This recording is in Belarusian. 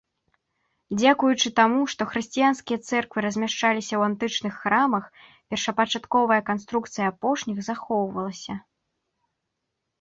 Дзякуючы таму, што хрысціянскія цэрквы размяшчаліся ў антычных храмах, першапачатковая канструкцыя апошніх захоўвалася.